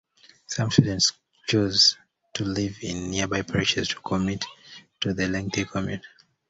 Some students chose to live in nearby parishes or commit to the lengthy commute.